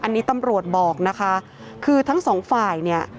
อันนี้ตำรวจบอกนะคะคือทั้งสองฝ่ายเนี่ย